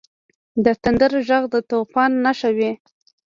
• د تندر ږغ د طوفان نښه وي.